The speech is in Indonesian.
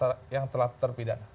kepada hak orang yang telah terpidana